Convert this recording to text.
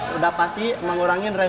sudah pasti mengurangi resiko